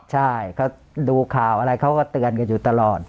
ใช่เขาดูข่าวอะไรเขาก็เตือนกันอยู่ตลอด